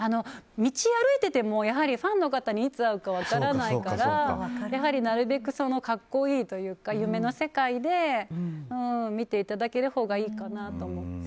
道を歩いててもファンの方にいつ会うか分からないからなるべく格好いいというか夢の世界で見ていただけるほうがいいかなと思って。